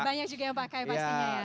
banyak juga yang pakai pastinya ya